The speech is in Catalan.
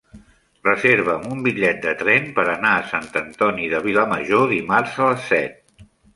Reserva'm un bitllet de tren per anar a Sant Antoni de Vilamajor dimarts a les set.